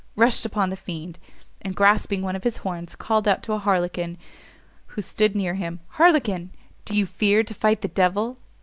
_" rushed upon the fiend, and grasping one of his horns, called out to a Harlequin who stood near him, "Harlequin! do you fear to fight the devil?"